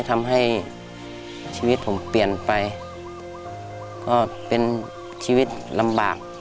ทำให้ชีวิตผมเปลี่ยนไปก็เป็นชีวิตลำบาก